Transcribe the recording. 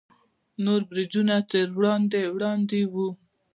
نور برجونه ترې وړاندې وړاندې وو.